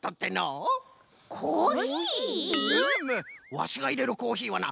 ワシがいれるコーヒーはな